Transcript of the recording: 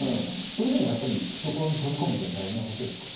それでもやっぱり懐に飛び込むというのは大事なことですか？